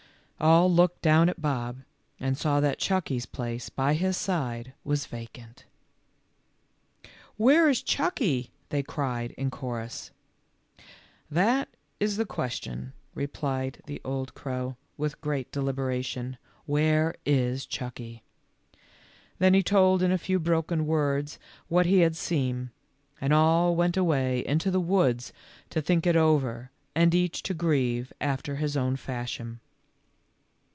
All looked down at Bob, and saw that Chucky 's place by his side was vacant. "Where is Chucky?" they cried in chorus. " That is the question," replied the old crow, 40 THE LITTLE FORESTERS. with great deliberation, f? where is Chucky?" Then he told in a few broken words what he had seen, and all went away into the woods to think it over and each to grieve after his own fashion.